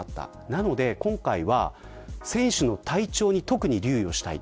なので今回は選手の体調に特に留意したい。